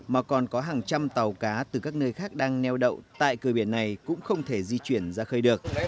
mà còn có hàng trăm tàu cá từ các nơi khác đang neo đậu tại cửa biển này cũng không thể di chuyển ra khơi được